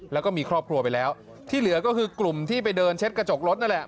แล้วก็มีครอบครัวไปแล้วที่เหลือก็คือกลุ่มที่ไปเดินเช็ดกระจกรถนั่นแหละ